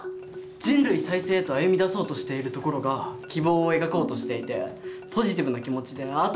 人類再生へと歩みだそうとしているところが希望を描こうとしていてポジティブな気持ちで後味いいかも。